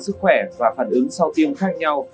sức khỏe và phản ứng sau tiêm khác nhau